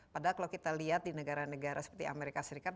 padahal kalau kita lihat di negara negara seperti amerika serikat